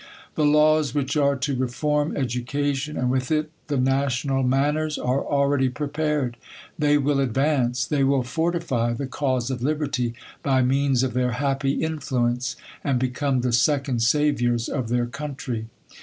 The laws which are to reform education, and with it the national manners,, are already prepared;" they will advance, they will fortify the cause of liberty by means of their happy influence, and become the second saviours of their country